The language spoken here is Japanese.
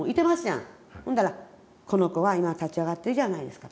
ほんだらこの子は今立ち上がってるじゃないですか。